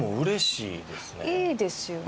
いいですよね。